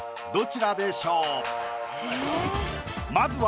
まずは。